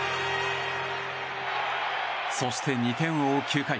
そして２点を追う９回。